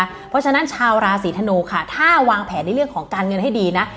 เพราะฉะนั้นชาวราศีธนูค่ะถ้าวางแผนในเรื่องของการเงินให้ดีนะ